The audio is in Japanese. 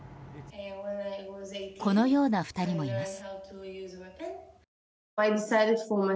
このような２人もいます。